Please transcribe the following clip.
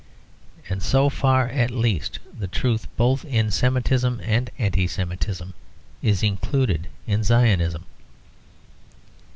And so far at least the truth both in Semitism and Anti Semitism is included in Zionism.